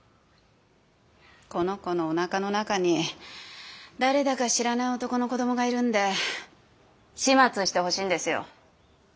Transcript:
この子のおなかの中に誰だか知らない男の子どもがいるんで始末してほしいんですよ。